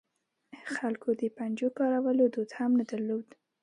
خلکو د پنجو کارولو دود هم نه درلود.